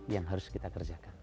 yang harus kita kerjakan